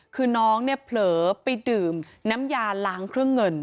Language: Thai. คือน้องเนี่ยเผลอไปดื่มน้ำยาล้างเครื่องเงิน